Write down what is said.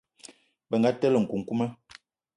Bënga telé nkukuma.